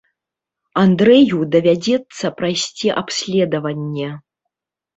Андрэю давядзецца прайсці абследаванне.